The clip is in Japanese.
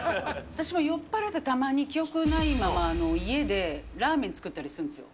私も酔っぱらうとたまに記憶ないまま家で、ラーメン作ったりするんですよ。